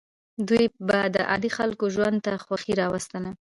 دوی به د عادي خلکو ژوند ته خوښي راوستله.